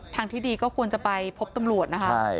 ทางที่ดีก็ควรจะไปพบตำรวจนะคะ